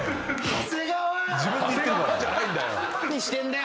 「長谷川」じゃないんだよ。